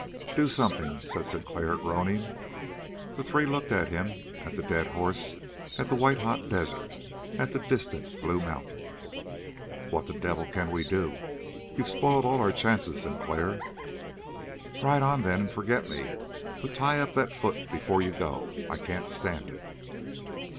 "Do something!" said Sinclair, groaning. The three looked at him, at the dead horse, at the white hot desert, at the distant, blue mountains. "What the devil can we do? You've spoiled all our chances, Sinclair." "Ride on then and forget me! But tie up that foot before you go. I can't stand it!"